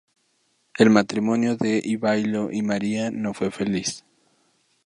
El matrimonio de Ivailo y María no fue feliz.